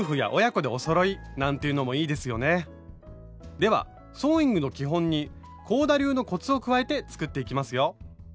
ではソーイングの基本に香田流のコツを加えて作っていきますよ！